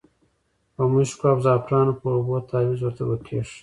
په مشکو او زعفرانو په اوبو تاویز ورته وکیښ.